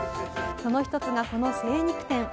その１つがこの精肉店。